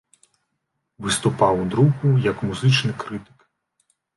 Выступаў у друку як музычны крытык.